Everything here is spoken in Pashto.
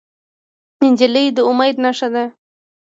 نجلۍ د امید نښه ده.